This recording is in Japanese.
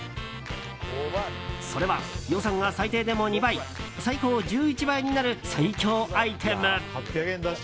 それは予算が最低でも２倍最高１１倍になる最強アイテム。